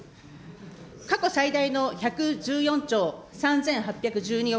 過去最大の１１４兆３８１２億